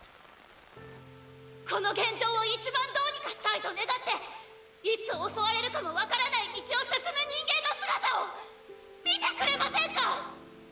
この現状を一番どうにかしたいと願っていつ襲われるかも分からない道を進む人間の姿を見てくれませんか！？